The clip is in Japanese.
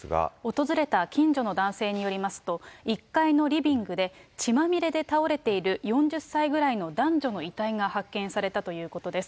訪れた近所の男性によりますと、１階のリビングで血まみれで倒れている４０歳ぐらいの男女の遺体が発見されたということです。